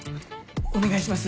お願いします。